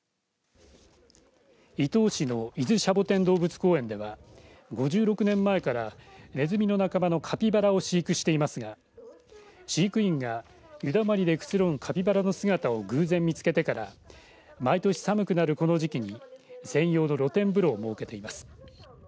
伊東市の伊豆シャボテン動物公園では５６年前からねずみの仲間のカピバラを飼育していますが飼育員が湯だまりでくつろぐカピバラの姿を偶然見つけてから毎年寒くなるこの時期に専用の露天風呂を設けています。